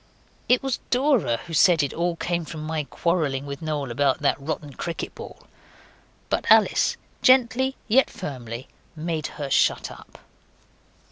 It was Dora who said it all came from my quarrelling with Noel about that rotten cricket ball; but Alice, gently yet firmly, made her shut up.